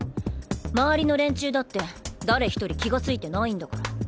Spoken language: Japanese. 周りの連中だって誰一人気がついてないんだから。